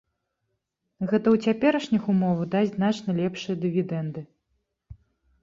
Гэта ў цяперашніх умовах дасць значна лепшыя дывідэнды.